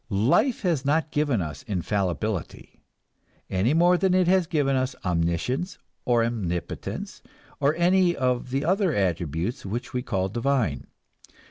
Life has not given us infallibility, any more than it has given us omniscience, or omnipotence, or any other of those attributes which we call divine.